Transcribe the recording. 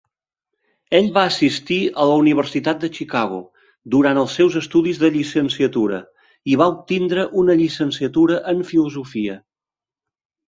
Ell va assistir a la Universitat de Chicago durant els seus estudis de llicenciatura, i va obtindre una llicenciatura en filosofia.